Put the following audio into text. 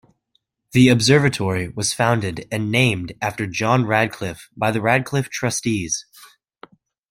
The observatory was founded and named after John Radcliffe by the Radcliffe Trustees.